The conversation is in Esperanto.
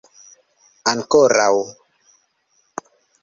ankoraŭ